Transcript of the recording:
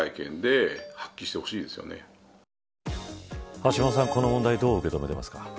橋下さん、この問題どう受け止めていますか。